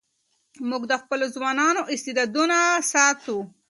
موږ د خپلو ځوانانو استعدادونه ستایو.